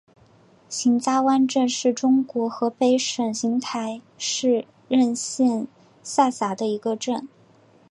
邢家湾镇是中国河北省邢台市任县下辖的一个镇。